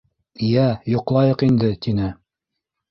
— Йә, йоҡлайыҡ инде, — тине.